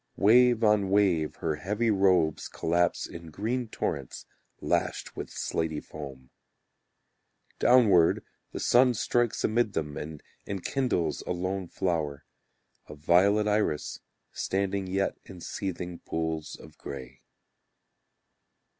Wave on wave her heavy robes collapse In green torrents Lashed with slaty foam. Downward the sun strikes amid them And enkindles a lone flower; A violet iris standing yet in seething pools of grey.